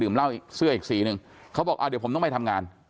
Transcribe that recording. เหล้าเสื้ออีกสีหนึ่งเขาบอกอ่าเดี๋ยวผมต้องไปทำงาน